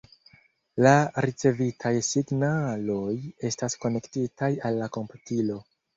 La ricevitaj signaloj estas konektitaj al la komputilo.